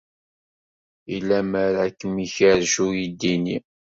I lemmer ad kem-ikerrec uydi-nni?